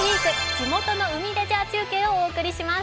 地元の海レジャー中継」をお送りします。